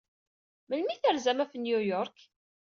Melmi ay terzam ɣef New York?